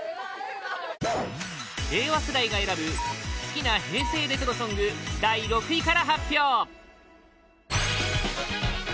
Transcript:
令和世代が選ぶ好きな平成レトロソング第６位から発表！